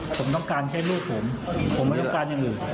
ผมต้องการแค่ลูกผมผมไม่ต้องการอย่างอื่น